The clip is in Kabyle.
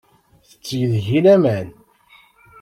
Tetteg deg-i laman.